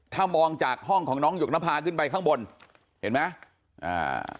ถ้ามองจากห้องของน้องหยกนภาขึ้นไปข้างบนเห็นไหมอ่า